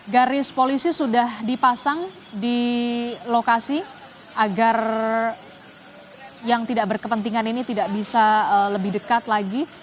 garis polisi sudah dipasang di lokasi agar yang tidak berkepentingan ini tidak bisa lebih dekat lagi